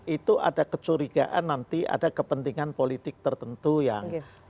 itu ada kecurigaan nanti ada kepentingan politik tertentu yang